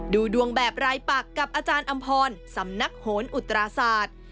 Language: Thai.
ดูดวงแบบรายปักกับอาจารย์อำพรสำนักโหนอุตราศาสตร์